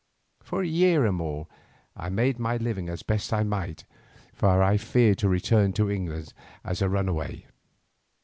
For a year or more I made my living as I best might, for I feared to return to England as a runaway.